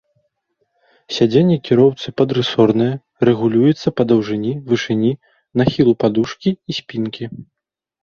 Сядзенне кіроўцы падрысоранае, рэгулюецца па даўжыні, вышыні, нахілу падушкі і спінкі.